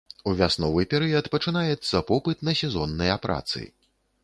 У вясновы перыяд пачынаецца попыт на сезонныя працы.